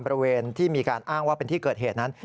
บริเวณที่มีการอ้างว่าเป็นที่เกิดเหตุนั้น